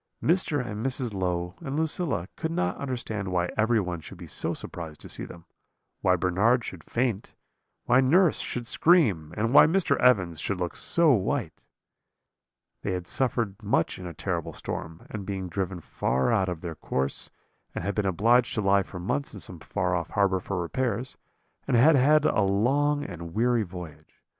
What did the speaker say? Mr. and Mrs. Low and Lucilla could not understand why everyone should be so surprised to see them; why Bernard should faint, why nurse should scream, and why Mr. Evans should look so white. "They had suffered much in a terrible storm, and been driven far out of their course, and been obliged to lie for months in some far off harbour for repairs, and had had a long and weary voyage.